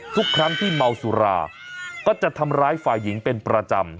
ทุกครั้งที่เมาสุราก็จะทำร้ายฝ่ายหญิงเป็นประจำ